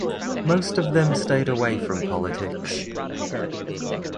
Most of them stayed away from politics.